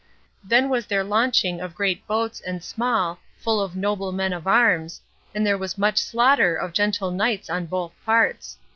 Then was there launching of great boats and small, full of noble men of arms, and there was much slaughter of gentle knights on both parts.